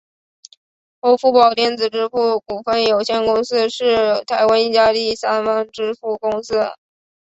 欧付宝电子支付股份有限公司是台湾一家第三方支付服务公司。